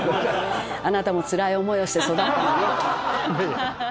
あなたもつらい思いをして育ったのねと思って。